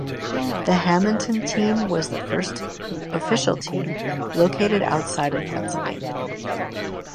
The Hammonton team was the first official team located outside of Pennsylvania.